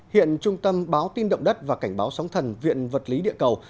hiện trung tâm báo tin động đất và cảnh báo sóng thần viện vật lý địa cầu